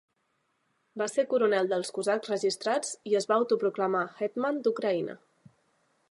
Va ser coronel dels cosacs registrats i es va autoproclamar "hetman" d'Ucraïna.